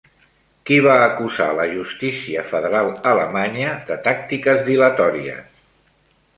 Qui va acusar la justícia federal alemanya de tàctiques dilatòries?